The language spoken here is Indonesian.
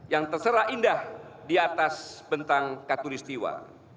yang terserah indah di atas bentang katulistiwa